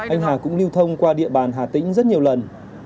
anh hà cũng lưu thông qua địa bàn hà tĩnh rất nhiều lần